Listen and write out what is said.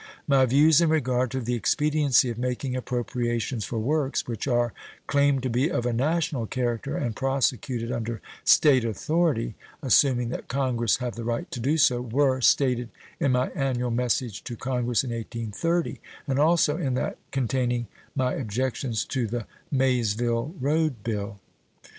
My views in regard to the expediency of making appropriations for works which are claimed to be of a national character and prosecuted under State authority assuming that Congress have the right to do so were stated in my annual message to Congress in 1830, and also in that containing my objections to the Maysville road bill.